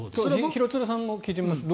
廣津留さんにも聞いてみますか。